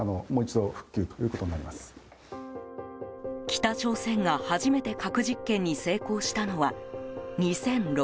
北朝鮮が初めて、核実験に成功したのは２００６年。